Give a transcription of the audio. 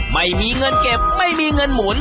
ไม่มีเงินเก็บไม่มีเงินหมุน